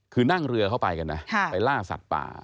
คือนั่งเรือเข้าไปกันนะไปล่าสัตว์ป่า